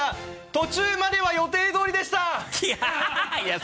途中までは予定通りでした！